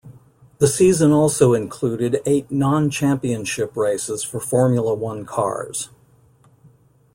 The season also included eight non-championship races for Formula One cars.